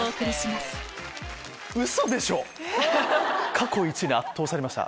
過去イチで圧倒されました。